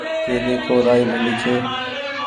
ڪي ۮيکو رآئي ڀلي ڇي